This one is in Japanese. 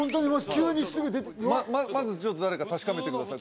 急にすぐまずちょっと誰か確かめてください